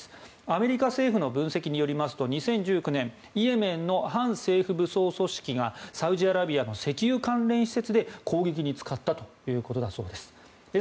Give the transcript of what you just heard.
アメリカ政府の分析によりますと２０１９年イエメンの反政府武装組織がサウジアラビアの石油関連施設で攻撃に使ったということだそうです。